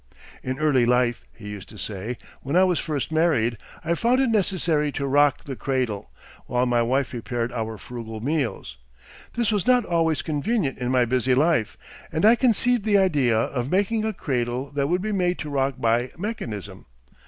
"In early life," he used to say, "when I was first married, I found it necessary to rock the cradle, while my wife prepared our frugal meals. This was not always convenient in my busy life, and I conceived the idea of making a cradle that would be made to rock by mechanism.